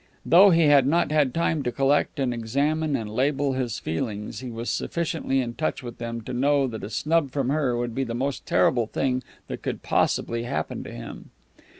Though he had not had time to collect and examine and label his feelings, he was sufficiently in touch with them to know that a snub from her would be the most terrible thing that could possibly happen to him.